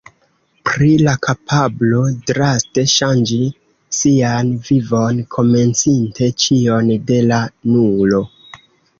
Pri la kapablo draste ŝanĝi sian vivon, komencinte ĉion de la nulo.